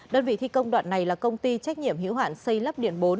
đơn vị thi công đoạn này là công ty trách nhiệm hữu hoạn xây lấp điện bốn